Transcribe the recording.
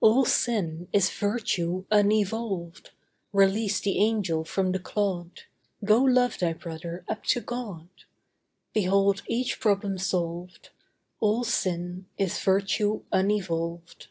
All sin is virtue unevolved, Release the angel from the clod— Go love thy brother up to God. Behold each problem solved. All sin is virtue unevolved.